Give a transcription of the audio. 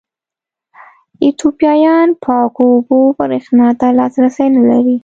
ایتوپیایان پاکو اوبو برېښنا ته لاسرسی نه لري.